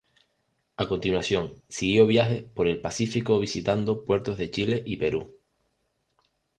A continuación, siguió viaje por el Pacífico visitando puertos de Chile y Perú.